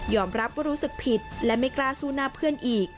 รับว่ารู้สึกผิดและไม่กล้าสู้หน้าเพื่อนอีก